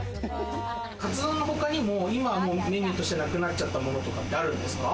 かつ丼のほかにも他にメニューとしてなくなっちゃったものあるんですか？